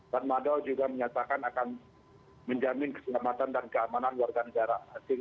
tanmadaw juga menyatakan akan menjamin keselamatan dan keamanan warga negara asing